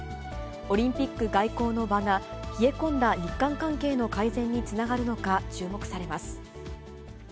オリンピック外交の場が、冷え込んだ日韓関係の改善につながるのか、注目されます。